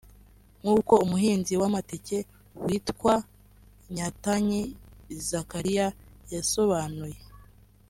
nk’uko umuhinzi w’amateke witwa Nyatanyi Zakariya yasobanuye